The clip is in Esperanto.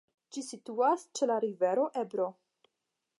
Ĝi situas ĉe la rivero Ebro.